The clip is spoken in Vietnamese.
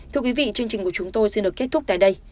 thưa quý vị chương trình của chúng tôi xin được kết thúc tại đây